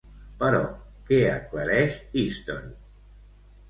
Però, què aclareix Easton?